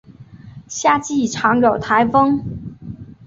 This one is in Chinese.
夏季常有台风。